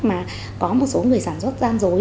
mà có một số người sản xuất gian dối